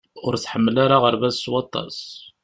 Ur tḥemmel ara aɣerbaz s waṭas.